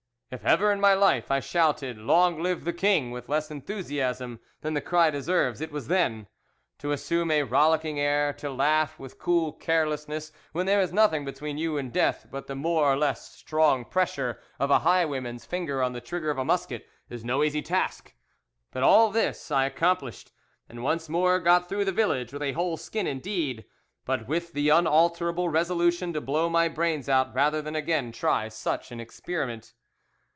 "If ever in my life I shouted 'Long live the king!' with less enthusiasm than the cry deserves, it was then: to assume a rollicking air, to laugh with cool carelessness when there is nothing between you and death but the more or less strong pressure of a highwayman's finger on the trigger of a musket, is no easy task; but all this I accomplished, and once more got through the village with a whole skin indeed, but with the unalterable resolution to blow my brains out rather than again try such an experiment.